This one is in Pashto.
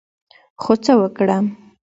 خو څه وکړم،